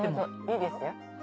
いいですよ。